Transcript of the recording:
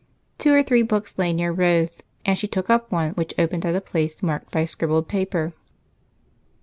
Two or three books lay near Rose, and she took up one which opened at a place marked by a scribbled paper.